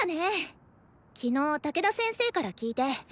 昨日武田先生から聞いて。